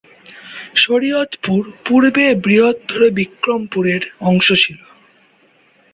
শরীয়তপুর পূর্বে বৃহত্তর বিক্রমপুর এর অংশ ছিল।